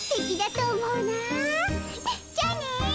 じゃあね。